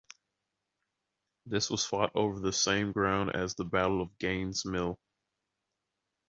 This was fought over the same ground as the Battle of Gaines' Mill.